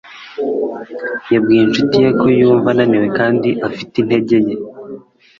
Yabwiye inshuti ye ko yumva ananiwe kandi afite intege nke.